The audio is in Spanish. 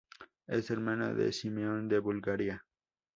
Es hermana de Simeón de Bulgaria.